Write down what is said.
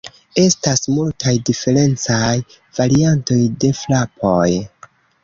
Estas multaj diferencaj variantoj de frapoj.